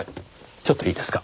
ちょっといいですか？